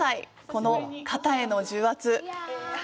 この肩への重圧！